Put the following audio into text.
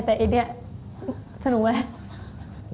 แต่ไอ้เนี่ยสนุกไหม